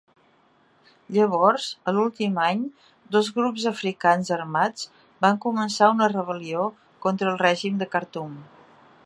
Llavors, a l"últim any, dos grups africans armats van començar una rebel·lió contra el règim de Khartum.